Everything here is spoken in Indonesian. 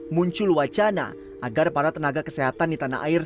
muncul wacana agar para tenaga kesehatan di tanah air